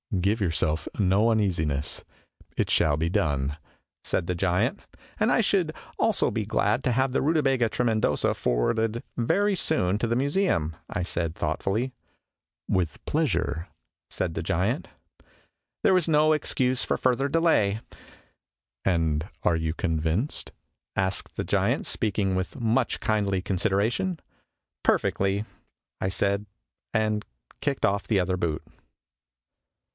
" Give yourself no uneasiness. It shall be done," said the giant. "And I should also be glad to have the Rutabaga Trcmcndosa forwarded very soon to the Museum," I said thoughtfully. " With pleasure," said the giant. There was no excuse for further delay. " And are you convinced ?" asked the giant, speaking with much kindly consideration. " Perfectly, I said, and kicked off the other boot.